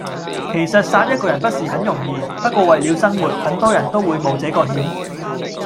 其實殺一個人不是很容易，不過為了生活，很多人都會冒這個險。